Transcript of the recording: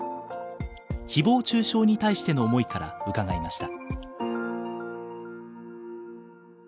ひぼう中傷に対しての思いから伺いました。